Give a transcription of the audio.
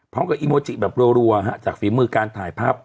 พร้อมกับอีโมจิแบบรัวรัวฮะจากฝีมือการถ่ายภาพ